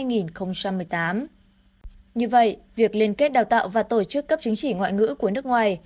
như vậy việc liên kết đào tạo và tổ chức cấp chứng chỉ ngoại ngữ của nước ngoài